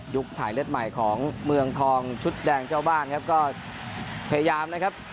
ถ่ายเลือดใหม่ของเมืองทองชุดแดงเจ้าบ้านครับก็พยายามนะครับ